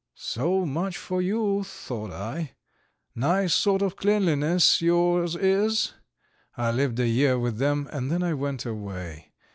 So much for you, thought I; nice sort of cleanliness yours is. I lived a year with them and then I went away.